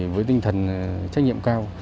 với tinh thần trách nhiệm cao